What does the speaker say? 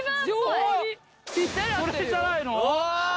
これじゃないの？